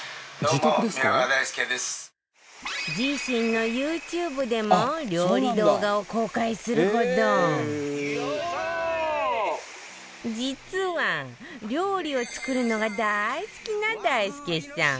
自身のＹｏｕＴｕｂｅでも料理動画を公開するほど実は、料理を作るのが大好きな大輔さん。